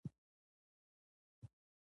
څوک به زما د پوښتنې ځواب ووايي.